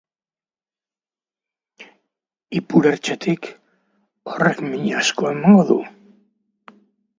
Zezen baten adarrak egindako zauria dauka ipurtestetik sartu eta sabelalderaino.